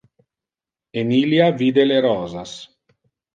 Emilia vide le rosas.